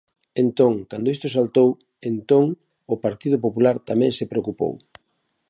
Entón, cando isto saltou, entón, o Partido Popular tamén se preocupou.